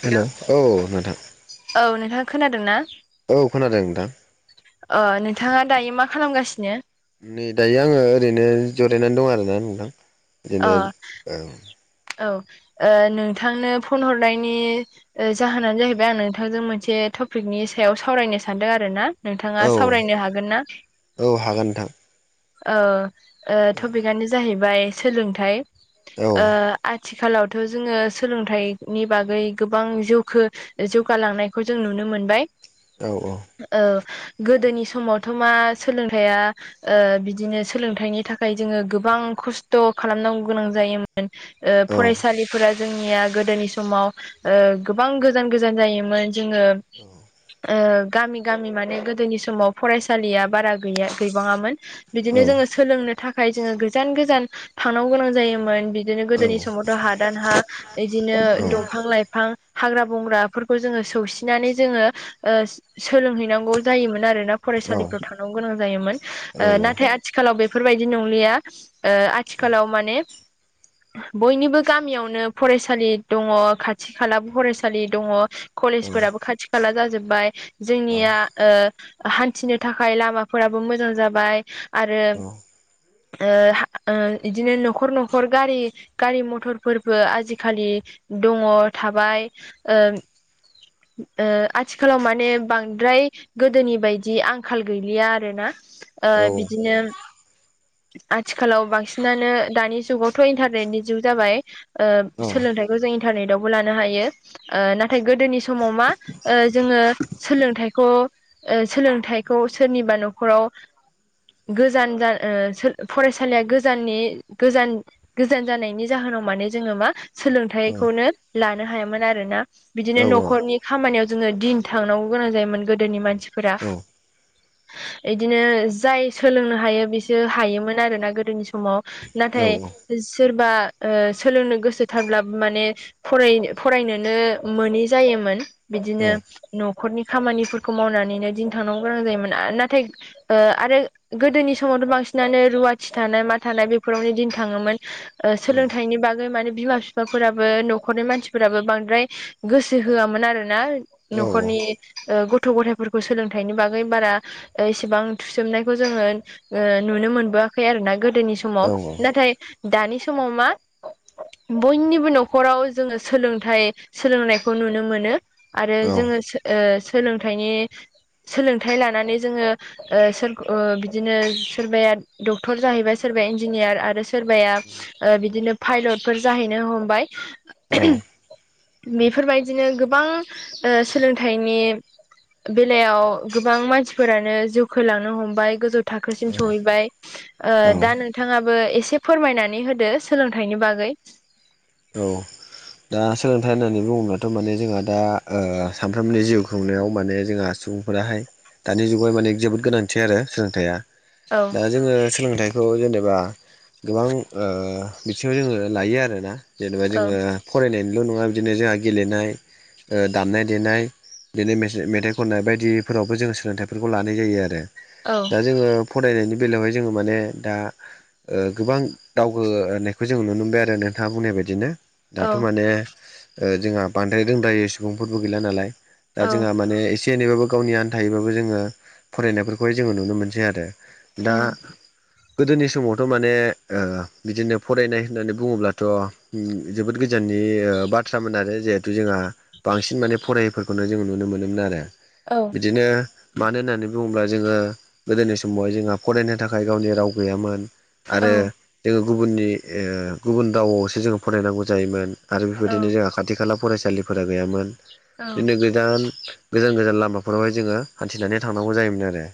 हेल' औ नोथां औ नोंथाङा खोनादों ना? औ खोनादों नोंथां अ नोंथाङा दायो मा खालामगासिनो? नै दायो आङो ओरैनो जरायनानै दं आरोना नोंथां अ बिदिनो ओ औ नोंथांनो फन हरनायनि जाहोनानो जाहैबाय आं नोंथांजों मोनसे टपिकनि सायाव सावरायनो सानदों आरो ना। नोंथाङा औ सावरायनो हागोन ना औ हागोन ओ ओ नोंथां टपिकआनो जाहैबाय सोलोंथाइ औ ओ आथिखालावथ' जोङो सोलोंथाइनि बागै गोबां जौखो ओजौगालांनायखौ जों नुनो मोनबाय। औ औ। ओ गोदोनि समावथ' मा सोलोंथाइया ओ बिदिनो सोलोंथाइनि थाखाय जोङो गोबां खस्थ' खालामनांगौ गोनां जायोमोन। ओ औ फरायसालिफोरा जोंनिया गोदोनि समाव ओ गोबां गोजान गोजान जायोमोन। जोङो ओ गामि गामि माने गोदोनि समाव फरायसालिया बारा गैया गैबाङामोन औ बिदिनो जोङो। सोलोंनो थाखाय जोङो गोजान गोजान थांनांगौ गोनां जायोमोन बिदिनो औ गोदोनि समावथ' हादान हा इदिनो दंफां लाइफां हाग्रा बंग्राफोरखौ जोङो सौसिनानै जोङो ओ सोलोंहैनांगौ जायोमोन आरोना फरायसालिफ्राव औ थांनांगौ गोनां जायोमोन ओ नाथाय आथिखालाव बेफोरबायदि नंलिया ओ आथि आथिखालाव माने बयनिबो गामियावनो फरायसालि दङ खाथि खालाबो फरायसालि दङ कलेजफोराबो खाथि खाला जाजोब्बाय जोंनिया ओ हान्थिनो थाखाय लामाफोराबो मोजां जाबाय आरो ओ ओ इदिनो न'खर न'खर गारि गारि मथरफोरबो आजिखालि दङ थाबाय ओ ओ आथिखालाव माने बांद्राय गोदोनि बायदि आंखाल गैलिया आरो ना ओ बिदिनो आथिखालाव बांसिनानो दानि जुगावथ' इन्टारनेटनि जुग जाबाय ओ सोलोंथाइखौ जों इन्टारनेटावबो लानो हायो। ओ नाथाय गोदोनि समाव मा ओ जोङो सोलोंथाइखौ। ओ सोलोंथाइखौ सोरनिबा न'खराव गोजान जा ओ सो फरायसालिया गोजाननि गोजान गोजान जानायनि जाहोनाव माने जोङो मा सोलोंथाइखौनो लानो हायामोन आरोना। बिदिनो न'खरनि खामानियाव जोङो दिन थांनांगौ गोनां जायोमोन गोदोनि मानसिफोरा इदिनो जाय सोलोंनो हायो बिसो हायोमोन आरोना गोदोनि समाव। नाथाय सोरबा ओ सोलोंनो गोसोथारब्लाबो माने फराय फरायनोनो मोनि जायोमोन बिदिनो न'खरनि खामानिफोरखौ मावनानैनो दिन थांनांगौ गोनां जायोमोन नाथाय ओ आरो गोदोनि समावथ' बांसिनानो रुवाथि थानाय मा थानाय बेफोरावनो दिन थाङोमोन। ओ सोलोंथाइनि बागै माने बिमा बि फाफोराबो न'खरनि मानसिफोराबो बांद्राय गोसो होआमोन आरो ना। न'खरनि ओ गथ' गथायफोरखौ सोलोंथाइनि बागै बारा ओ इसेबां थुसोमनायखौ जोङो ओ नुनो मोनबोआखै आरो ना गोदोनि सम समाव नाथाय दानि समाव मा बयनिबो न'खराव जोङो सोलोंथाइ सोलोंनायखौ नुनो मोनो। आरो जोङो सो ओ सोलोंथाइनि सोलोंथाइ लानानै जोङो ओ सोरग बिदिनो सोरबाया डक्टर जाहैबाय सोरबाया इन्जिनियार आरो सोरबा बाया ओ बिदिनो पायलतफोर जाहैनो हमबाय। औ बिफोरबायदिनो गोबां ओ सोलोंथाइनि बेलायाव गोबां मानसिफोरानो जौखोलांनो हमबाय गोजौ। थाखोसिम सहैबाय ओ दा नोंथाङाबो एसे फोरमायनानै होदो सोलोंथाइनि बागै। औ दा सोलोंथाइ होननानै बुङोब्लाथ' माने जोंहा दा ओ सानफ्रोमनि जिउ खुंनायाव माने जोंहा सुबुंफोराहाय दानि जुगाव माने जोबोद गोनांथि आरो सोलोंथाइया। औ दा जोङो सोलोंथाइ बेखौ जेनेबा गोबां बिथिङाव जोङो लायो आरोना जेनेबा औ जोङो फरायनायनिल' नङा बिदिनो जोंहा गेलेनाय ओ दामनाय देनाय बिदिनो मेथाइ खननाय बायदिफोरावबो जोङो सोलोंथाइफोरखौ लानाय जायो आरो। औ दा जोङो फरायनायनि बेलायावहाय जोङो माने दा गोबां दावगानायखौ जों नुनो मोनबाय आरो नोंथाङा बुंनाय बायदि। बिदिनो औ दाथ' माने जोंहा बांद्राय रोंद्रायै सुबुंफोरबो गैला नालाय। औ दा जोंहा माने एसे एनैबाबो गावनि आनथायै बाबो जोङो फरायनायफोरखौहाय जोङो नुनो मोनसै आरो। दा गोदोनि समावथ' माने ओ बिदिनो फरायनाय होननानै बुङोब्लाथ' जोबोद गोजाननि बाथ्रामोन आरो जिहेथु जोंहा बांसिन माने फरायैफोरखौनो जों नुनो मोनोमोन आरो। औ बिदिनो मानो होननानै बुङोब्ला जोङो गोदोनि समावहाय जोंहा फरायनो थाखाय गावनि राव गैयामोन। औ आरो जोङो गुबुननि ओ गुबुन रावआवसो जोङो फरायनांगौ जायोमोन। आरो औ बेफोरबायदिनो जोंहा खाथि खाला फरायसालिफोरा गैयामोन औ बिदिनो गोजान गोजान गोजान लामाफोरावहाय जोङो हान्थिनानै थांनांगौ जायोमोन आरो।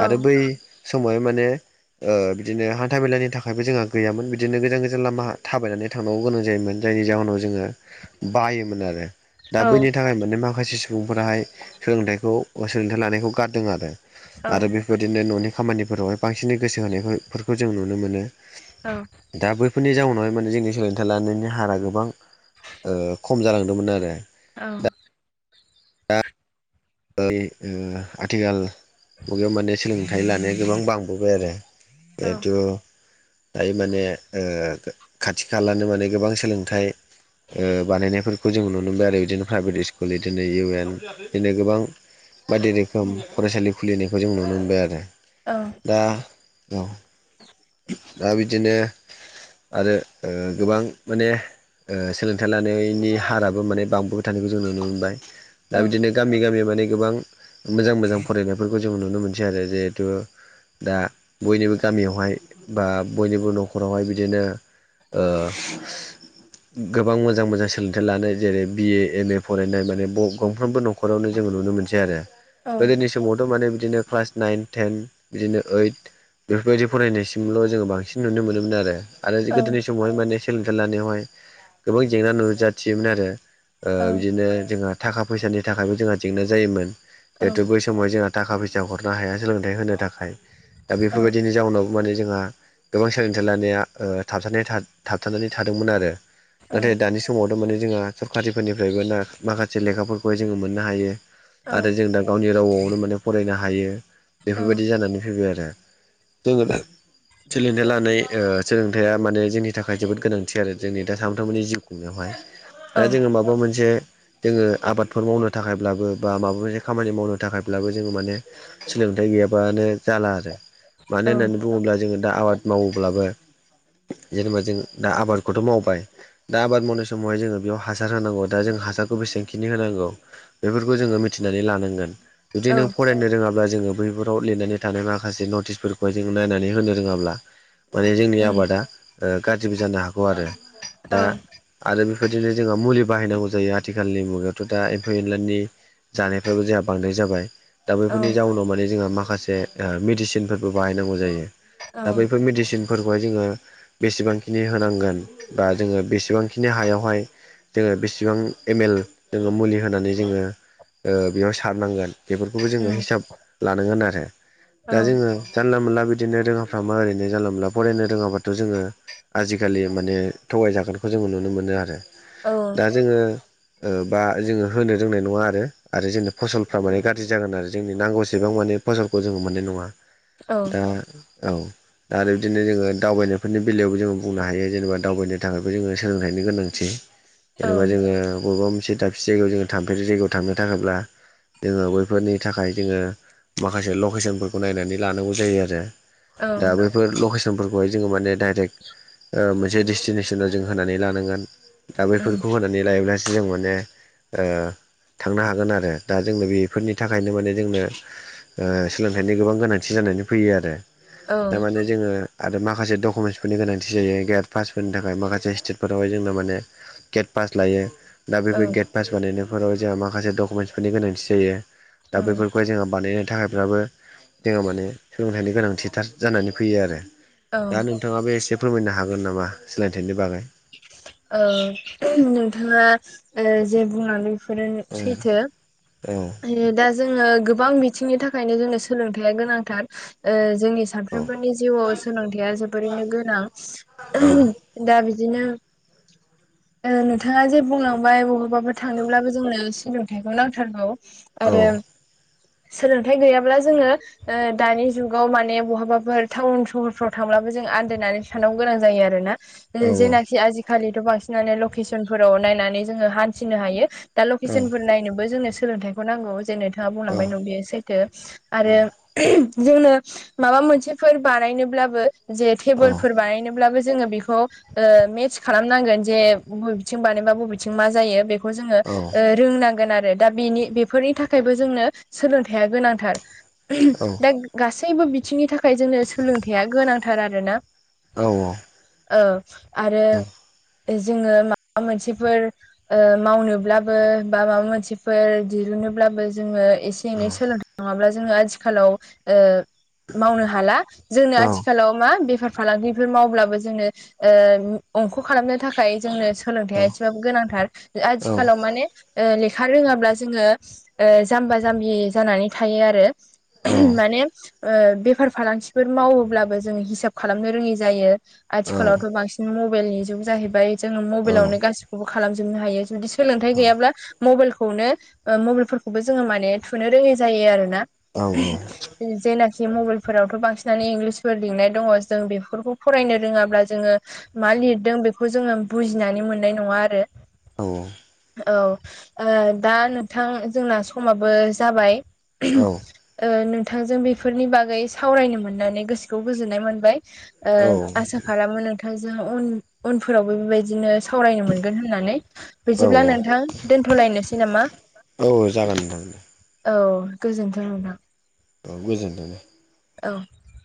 औ आरो बै समावहाय माने बिदिनो हान्था मेलानि थाखायबो जोंहा गैयामोन बिदिनो गोजान गोजान लामा थाबायनानै थांनांगौ गोनां जायोमोन जायनि जाहोनाव जोङो बायोमोन आरो दा बैनि थाखाय माने मा माखासे सुबुंफोराहाय सोलोंथाइखौ ओ सोलोंथाइ लानायखौ गारदों आरो औ आरो बे बेदिनो न'नि खामानिफोरावहाय बांसिन गोसो होनायफोरखौ जों नुनो मोनो। औ दा बैफोरनि जाउनावहाय माने जोंनि सोलोंथाइ लानायनि हारा गोबां ओ खम जालांदोंमोन आरो। औ ओय ओ आथिखाल मुगायाव माने सोलोंथाइ लानाया गोबां बांबोबाय आरो। औ जिहेथु दायो माने ओ खाथि खालानो माने गोबां सोलोंथाइ ओ बानायनायफोरखौ जों नुनो मोनबाय आरो बिदिनो प्राइभेट स्कुल बिदिनो इउ एन बिदिनो गोबां। बायदि रोखोम फरायसालि खुलिनायखौ जों नुनो मोनबाय आरो। औ दा औ [inaudible] दा बिदिनो आरो ओ गोबां माने सोलोंथाइ लानायनि हाराबो माने बांबोबाय थानायखौ जों नुनो मोनबाय दा औ बिदिनो गामि गामि माने गोबां मोजां मोजां फरायनायफोरखौ जों नुनो मोनसै आरो जिहेथु दा बयनिबो गामियावहाय बा बयनिबो न'खरावहाय बिदिनो ओ गोबां मोजां मोजां सोलोंथाइ लानाय जेरै बि ए एम ए फरायनाय माने गंफ्रोमबो न' न'खरावनो जोङो नुनो मोनसै आरो औ गोदोनि समावथ' माने बिदिनो क्लास नाइन टेन बिदिनो ओइद बेफोरबायदि फरायनाय सि मल' जोङो बांसिन नुनो मोनोमोन आरो औ गोदोनि समावहाय माने सोलोंथाइ लानायावहाय गोबां जेंना नुजाथियोमोन आरो ओ बिदिनो जोंहा थाखा फैसानि थाखायबो जोंहा जेंना जायोमोन जिहेतु बै समावहाय जोंहा थाखा फैसा हरनो हाया सोलोंथाइ होनो थाखाय दा बेफोरबायदिनि जाउनाव माने जोंहा गोबां सोलोंथाइ लानाया ओ थाबथा थाबथानानै थादोंमोन आरो नाथाय दानि समावथ' माने जोङो सरकारिफोरनिफ्रायबो माखासे लेखाफोरखौहाय जोङो मोननो हायो आरो जों दा गावनि रावआवनो माने फरायनो हायो बेफोरबायदि जानानै फैबाय आरो जोङो दा [unintelligible] लानाय ओ सोलोंथाइआ माने जोंनि थाखाय जोबोद गोनांथि आरो जोंनि दा सानफ्रामबोनि जिउ आवहाय दा जोङो माबा मोनसे जोङो आबादफोर मावनो थाखायब्लाबो बा माबा मोनसे खामानि मावनो थाखायब्लाबो जोङो माने सोलोंथाइ गैयाबानो जाला आरो मानो होननानै बुङोब्ला जोङो दा आबाद मावोब्लाबो जेनेबा जों दा आबादखौथ' मावबाय दा आबाद मावनाय समावहाय जोङो बेयाव हासार होनांगौ दा जों हासारखौ बेसांखिनि होनांगौ बेफोरखौ जोङो मिथिनानै लानांगोन। जुदि नों फरायनो रोङाब्ला जोङो बैफोराव लिरनानै थानाय माखासे नटिसफोरखौहाय जों नायनानै होनो रोङाब्ला माने जोंनि उम आबादा गाज्रिबो जानो हागौ आरो। औ दा आरो बेफोरबायदिनो जोंहा मुलि बाहायनांगौ जायो आथिखालनि मुगायावथ' दा एम्फौ एनलानि जानायफ्राबो जोंहा बांद्राय जाबाय दा औ बेफोरनि जाउनाव माने जोंहा माखासे ओ मेडिसिनफोरबो बाहायनांगौ जायो। दा उम बैफोर मेदिसिन फोरखौहाय जोङो बेसेबांखिनि होनांगोन बा जोङो बेसेबांखिनि हायावहाय जोङो बेसेबां एम एल जोङो मुलि होनानै जोङो ओ बेयाव सारनांगोन बेफोरखौबो जोङो हिसाब लानांगोन आरो औ दा जोङो जानला मोनला बिदिनो रोङा [unintelligible] ओरैनो जानला मानला फरायनो रोङाबाथ' जोङो आजिखालि माने थगायजागोनखौ जोङो नुनो मोनो आरो औ औ दा जोङो ओ बा जोङो होनो रोंनाय नङा आरो जोंनो फसलफ्रा माने गाज्रि जागोन आरो जोंनि नांगौसेबां माने फसलखौ जोङो मोननाय नङा औ दा औ आरो बिदिनो जोङो दावबायनायफोरनि बेलायावबो जोङो बुंनो हायो जेनेबा दावबायनो थाखायबो जोङो सोलोंथाइनि गोनांथि [inaudible] जेनेबा जोङो बबेबा मोनसे दाबसे जायगायाव जोङो थांफेरै जायगायाव थांनो थाखायब्ला जोङो बैफोरनि थाखाय जोङो माखासे लकेसनफोरखौ नायनानै लानांगौ जायो आरो। दा बैफोर लकेसनफोरखौहाय जोङो माने डाइरेक्ट मोनसे डेस्टिनेसनाव जों होनानै लानांगोन दा उम बेफोरखौ होनानै लायोब्लासो जों माने ओ थांनो हागोन आरो दा जोंनो बे फोरनि थाखायनो माने जोंनो सोलोंथाइनि गोबां गोनांथि जानानै फैयो आरो। दा औ माने जोङो आरो माखासे डकुमेन्टसफोरनि गोनांथि जायो गेट पासफोरनि थाखाय माखासे स्टेटफोरावहाय जोंना माने गेट पास लायो दा बेफोर गेट पास बानायनायफोराव जोंहा माखासे डकुमेन्टसफोरनि गोनांथि जायो औ दा बेफोर ओमफ्राय जोंहा बानायनो थाखायफ्राबो जोंहा माने सोलोंथाइनि गोनांथिथार जानानै फैयो आरो। औ दा नोंथाङाबो एसे फोरमायनो हागोन नामा सोलोंथाइनि बागै ओ नोंथाङा ओ जे बुंलांदों बेफोरो औ सैथो औ दा जोङो गोबां बिथिंनि थाखायनो जोंनो सोलोंथाइआ गोनांथार ओ जोंनि औ सानफ्रोमबोनि जिउआव सोलोंथाइआ जोबोरैनो गोनां दा बिदिनो ओ नोंथाङा जे बुंलांबाय बबेबाफोर थांनोब्लाबो जोंनो सोलोंथाइखौ नांथारगौ औ आरो सोलोंथाइ गैयाब्ला जोङो ओ दानि जुगाव माने बहाबाफोर टाउन सहरफ्राव थांब्लाबो जों आन्दायनानै थानांगौ गोनां जायो आरोना। ओ औ जेनाखि आजिखालिथ' बांसिनानो लकेसन फोराव नायनानै जोङो हान्थिनो हायो दा औ लकेसनफोर नायनोबो जोंनो सोलोंथाइखौ नांगौ जे नोंथाङा औ बुंलांबाय न' बेयो सैथो आरो जोंनो माबा मोनसेफोर बानायनोब्लाबो जे टेबोल फोर बानायनोब्लाबो जोङो बेखौ मेटस खालामनांगोन जे बबेथिं बानायबा बबेथिं मा जायो बेखौ जोङो औ रोंनांगोन आरो दा बेनि बेफोरनि थाखायबो जोंनो सोलोंथाइआ गोनांथार। दा गासैबो बिथिंनि थाखाय जोंनो सोलोंथाइआ गोनांथार आरोना। औ औ ओ आरो जोङो माबा मोनसेफोर ओ मावनोब्लाबो बा माबा मोनसेफोर दिरुनोब्लाबो जोङो एसे एनै सोलोंथाइ नाङाब्ला जोङो आथिखालाव ओ मावनो हाला जोंनो आथिखालाव मा बेफार फालांगिफोर मावब्लाबो जोंनो ओ अंख' खालामनो थाखाय जोंनो सोलोंथायाइा एसेबाब गोनांथार आथिखालाव माने ओ लेखा रोङाब्ला जोङो ओ जाम्बा जाम्बि जानानै थायो आरो माने ओ बेफार फालांगिफोर मावोब्लाबो जोङो हिसाब खालामनो रोङि जायो औ औ आथिखालावथ' बांसिन मबाइलनि जुग जाहैबाय जोङो औ मबाइलावनो गासिखौबो खालामजोबनो हायो जुदि सोलोंथाइ औ गैयाब्ला मबाइलखौनो मबाइलफोरखौबो जोङो माने थुनो रोङै जायो आरो ना। औ जे ना मबाइलफोरावथ' बांसिनानो इंलिसफोर लिंनाय दङ जों बेफोरखौ फरायनो रोङाब्ला जोङो मा लिरदों बेखौ जोङो बुजिनानै मोननाय नङा आरो औ औ औ ओ दा नोंथां जोंना समाबो जाबाय औ ओ नोंथांजों बेफोरनि बागै सावरायनो मोननानै गोसोखौ गोजोननाय मोनबाय। ओ आसा खालामो नोंथां जों उन उनफोरावबो बेबायदिनो सावरायनो मोनगोन होननानै औ बिदिब्ला नोंथां दोनथ'लायनोसै नामा? औ जागोन नोंथां। औ गोजोन्थों नोंथां। औ गोजोन्थों दे। औ।